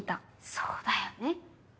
そうだよね。